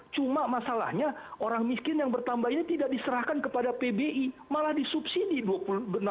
cuma masalahnya orang miskin yang bertambah ini tidak diserahkan kepada pbi malah disubsidi rp enam belas lima ratus